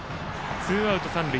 ツーアウト三塁。